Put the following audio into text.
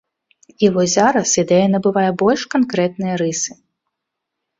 І вось зараз ідэя набывае больш канкрэтныя рысы.